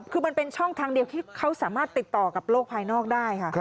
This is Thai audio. คือมันเป็นช่องทางเดียวที่เขาสามารถติดต่อกับโลกภายนอกได้ค่ะ